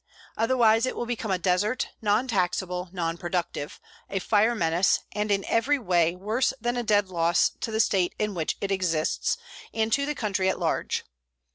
Otherwise it will become a desert, non taxable, non productive, a fire menace, and in every way worse than a dead loss to the state in which it exists and to the country at large.